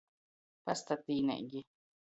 Pastatīneigi.